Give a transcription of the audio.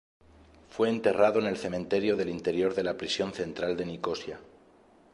Fue enterrado en el cementerio del interior de la Prisión Central de Nicosia.